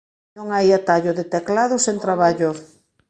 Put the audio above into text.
Non hai atallo de teclado sen traballo